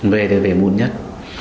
về thì về muộn nhất